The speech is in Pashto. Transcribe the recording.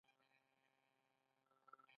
په ستړي او وږي لښکر کې ګډوډي ډېره شوه.